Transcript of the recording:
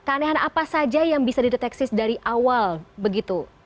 keanehan apa saja yang bisa dideteksi dari awal begitu